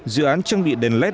dự án trang bị đèn led